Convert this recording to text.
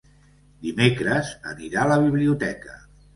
Dimecres anirà a la biblioteca.